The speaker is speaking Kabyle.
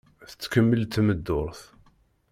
Tettkemmil tmeddurt.